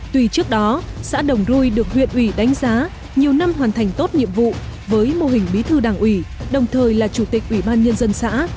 tuy trước đó xã đồng rui được huyện ủy đánh giá nhiều năm hoàn thành tốt nhiệm vụ với mô hình bí thư đảng ủy đồng thời là chủ tịch ủy ban nhân dân xã